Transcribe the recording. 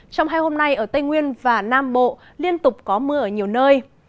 trong hai hôm nay ở tây nguyên và nam bộ liên tục có mưa ở nhiều nơi